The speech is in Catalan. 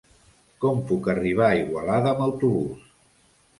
Com puc arribar a Igualada amb autobús?